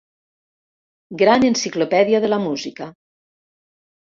Gran Enciclopèdia de la Música.